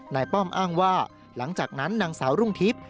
ป้อมอ้างว่าหลังจากนั้นนางสาวรุ่งทิพย์